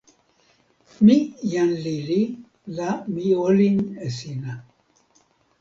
mi jan lili la mi olin e sina.